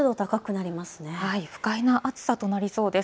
不快な暑さとなりそうです。